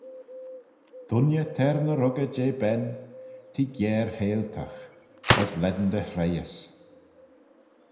Dooinney t'er ny ruggey jeh ben, t'eh giare-heihltagh, as lane dy hreihys.